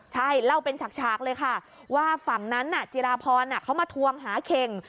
ใช่เล่าเป็นฉากเลยค่ะว่าฝั่งนั้นน่ะจิราพรเขามาทวงหาเข่ง